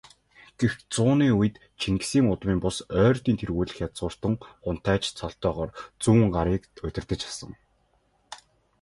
Гэвч, зууны үед Чингисийн удмын бус, Ойрдын тэргүүлэх язгууртан хунтайж цолтойгоор Зүүнгарыг удирдаж асан.